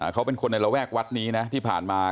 เขาเป็นคนในระแวกวัดนี้นะที่ผ่านมา